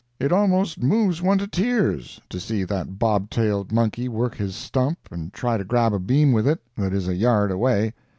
It almost moves one to tears to see that bob tailed monkey work his stump and try to grab a beam with it that is a yard away.